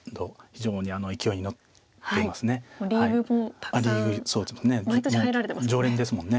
常連ですもんね